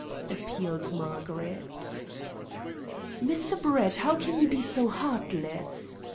appealed Margaret. "Mr. Brett, how can you be so heartless?"